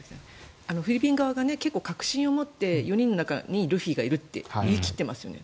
フィリピン側が結構確信を持って４人の中にルフィがいると言い切っていますよね。